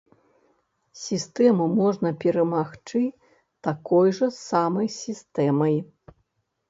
Сістэму можна перамагчы такой жа самай сістэмай.